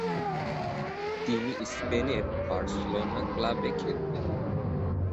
তিনি স্পেনের বার্সেলোনা ক্লাবে খেলতেন।